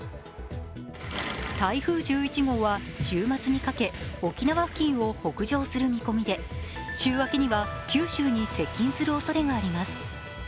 台風１１号は週末にかけ、沖縄付近を北上する見込みで、週明けには九州に接近するおそれがあります。